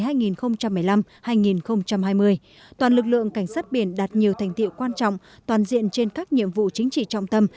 toàn lực lượng cảnh sát biển đạt nhiều thành tiệu quan trọng toàn diện trên các nhiệm vụ chính trị trọng tâm